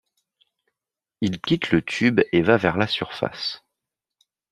Il quitte le tube et va vers la surface.